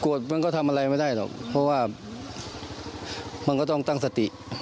มันก็ทำอะไรไม่ได้หรอกเพราะว่ามันก็ต้องตั้งสติ